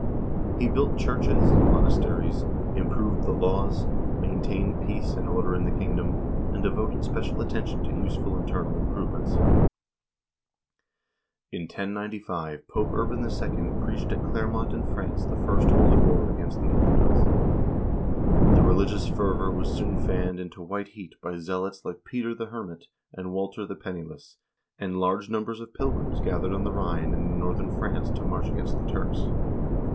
He built churches and monasteries, improved the laws, maintained peace and order in the kingdom, and devoted special attention to useful internal improvements. In 1095 Pope Urban II. preached at Clermont in France the first holy war against the infidels. The religious fervor was soon fanned into white heat by zealots like Peter the Hermit and Walter the Penniless, and large numbers of pilgrims gathered on the Rhine and in northern France to march against the Turks.